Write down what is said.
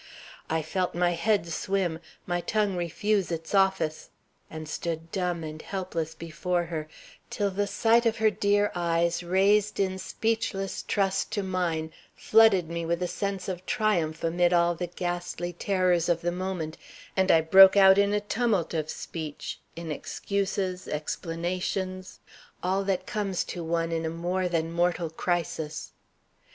I felt my head swim, my tongue refuse its office, and stood dumb and helpless before her till the sight of her dear eyes raised in speechless trust to mine flooded me with a sense of triumph amid all the ghastly terrors of the moment, and I broke out in a tumult of speech, in excuses, explanations, all that comes to one in a more than mortal crisis.